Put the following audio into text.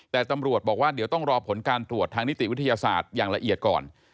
แต่ตำรวจบอกว่าเดี๋ยวต้องรอผลการตรวจทางนิติวิทยาศาสตร์อย่างละเอียดก่อน